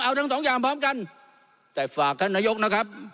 เอาทั้งสองอย่างพร้อมกันแต่ฝากท่านนายกนะครับ